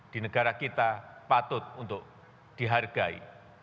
di negara kita patut untuk dihargai